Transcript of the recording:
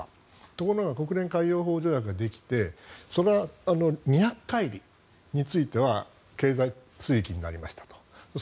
ところが国連海洋法条約ができて２００カイリについては経済水域になりましたと。